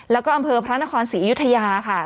แล้วก็อำเภอพระนครศรีอยุธยาค่ะ